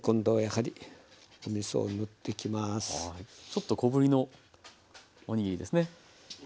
ちょっと小ぶりのおにぎりですね。